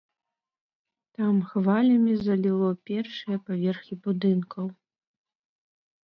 Там хвалямі заліло першыя паверхі будынкаў.